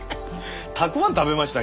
たくあん食べました？